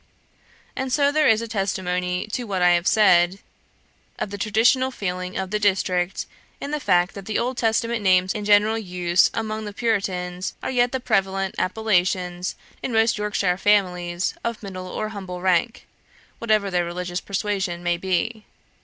And so there is a testimony to what I have said, of the traditional feeling of the district, in the fact that the Old Testament names in general use among the Puritans are yet the prevalent appellations in most Yorkshire families of middle or humble rank, whatever their religious persuasion may be.